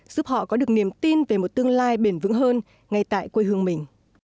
giúp họ có được niềm tin về một tương lai bền vững hơn ngay tại quê hương mình